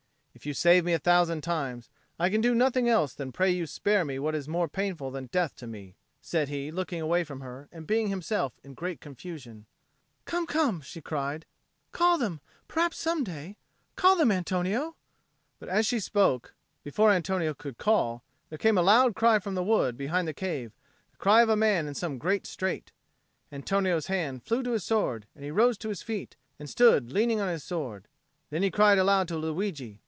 "If you save me a thousand times, I can do nothing else than pray you spare me what is more painful than death to me," said he, looking away from her and being himself in great confusion. "Come, come," she cried. "Call them! Perhaps some day ! Call them, Antonio." But as she spoke, before Antonio could call, there came a loud cry from the wood behind the cave, the cry of a man in some great strait. Antonio's hand flew to his sword, and he rose to his feet, and stood leaning on his sword. Then he cried aloud to Luigi.